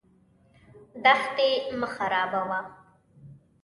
دښتې مه خرابوه.